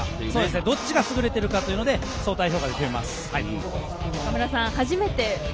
どっちが優れているのかという相対評価で決めます。